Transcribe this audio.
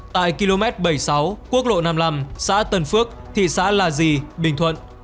tại km bảy mươi sáu quốc lộ năm mươi năm xã tân phước thị xã là di bình thuận